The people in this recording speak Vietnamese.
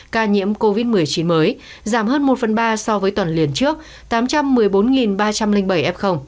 ca nhiễm covid một mươi chín mới giảm hơn một phần ba so với tuần liền trước tám trăm một mươi bốn ba trăm linh bảy f